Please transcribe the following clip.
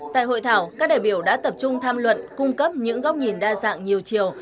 tại hội thảo các đại biểu đã tập trung tham luận cung cấp những góc nhìn đa dạng nhiều chiều